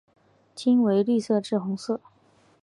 茎为绿色至红色。